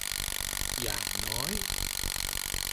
อย่างน้อย